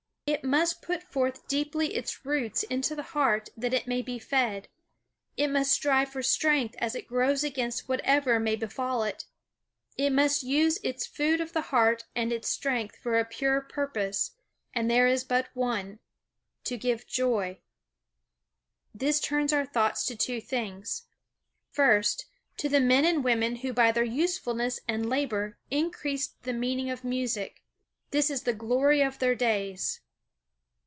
It must put forth deeply its roots into the heart that it may be fed. It must strive for strength as it grows against whatever may befall it. It must use its food of the heart and its strength for a pure purpose, and there is but one to give joy. This turns our thoughts to two things: First, to the men and women who by their usefulness and labor increased the meaning of music. This is the glory of their days.